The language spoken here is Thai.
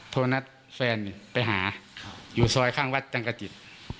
โทรนัดแฟนไปหาอยู่ซอยข้างวัดจังกจิต